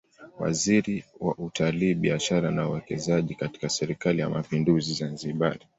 Waziri wa Utalii Biashara na Uwekezaji katika Serikali ya Mapinduzi Zanzibar